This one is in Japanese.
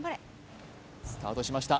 スタートしました。